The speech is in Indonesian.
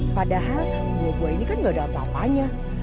padahal gua gua ini kan gak ada masalah